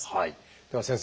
では先生。